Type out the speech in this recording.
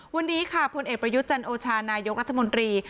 วันนี้ค่ะพลเอกประยุทธ์จันโอชานายกรัฐมนตรี